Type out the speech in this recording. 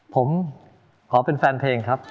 ผมขอเป็นแฟนเพลงครับ